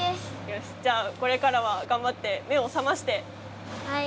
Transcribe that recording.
よしじゃあこれからはがんばって目をさましてはい。